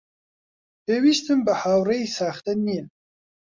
پێویستم بە هاوڕێی ساختە نییە.